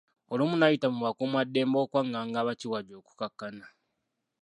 Olumu n’ayita mu bakuumaddembe okwanganga bakiwagi okukkakkana.